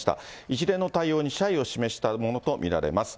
一連の対応に謝意を示したものと見られます。